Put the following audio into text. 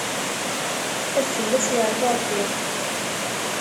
Ad fell-as yaɛfu Rebbi.